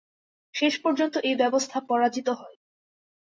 শেষ পর্যন্ত এ ব্যবস্থা পরাজিত হয়।